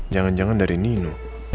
jalan jalan dari nino